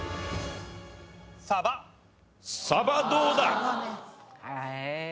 サバどうだ？ええ？